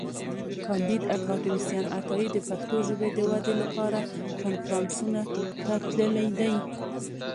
کانديد اکاډميسن عطایي د پښتو ژبي د ودي لپاره کنفرانسونو ته تللی دی.